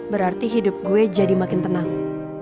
berarti hidup gue jadi makin tenang